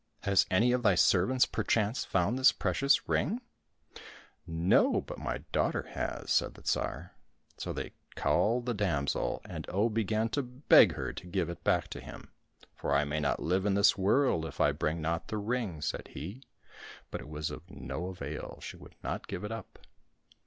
Has any of thy servants perchance found this precious ring ?"—" No, but my daughter has," said the Tsar. So they called the damsel, and Oh began to beg her to give it back to him, " for I may not live in this world if I bring not the ring," said he. But it was of no avail, she would not give it up.